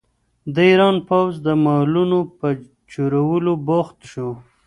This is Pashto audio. د ایران پوځ د مالونو په چورولو بوخت شو.